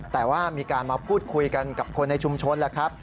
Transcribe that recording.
แต่ว่ามีการมาพูดคุยกันกับคนในชุมชนแล้วครับ